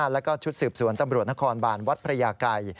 แล้วก็ชุดสืบสวนตำรวจนครบานวัดพระยาไกร